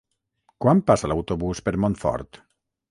Quan passa l'autobús per Montfort?